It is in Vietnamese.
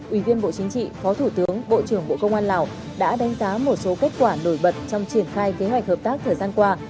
ủy viên bộ chính trị phó thủ tướng bộ trưởng bộ công an lào đã đánh giá một số kết quả nổi bật trong triển khai kế hoạch hợp tác thời gian qua